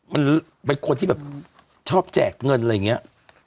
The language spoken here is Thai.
มันมีควรที่ชอบแจกเงินอะไรอย่างเงี้ย